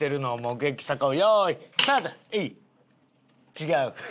違う。